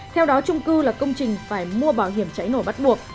theo đó trung cư là công trình phải mua bảo hiểm cháy nổ bắt buộc